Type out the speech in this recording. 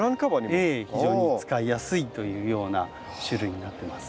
ええ非常に使いやすいというような種類になってます。